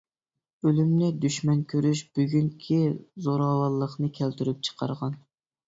-ئۆلۈمنى دۈشمەن كۆرۈش بۈگۈنكى زوراۋانلىقنى كەلتۈرۈپ چىقارغان.